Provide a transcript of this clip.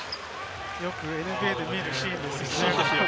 よくＮＢＡで見るシーンですね。